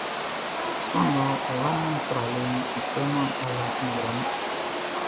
Sran ngʼɔ wlaman tralɛʼn, ɔ kpêman ala nzra nun.